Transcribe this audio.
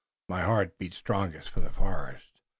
My heart beats strongest for the forest."